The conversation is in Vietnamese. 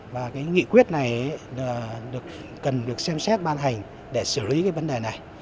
và cái nghị quyết này cần được xem xét ban hành để xử lý cái vấn đề này